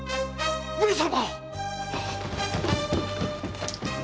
上様！